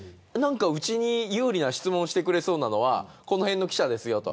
うちに有利な質問をしてくれそうなのはこのへんの記者ですよと。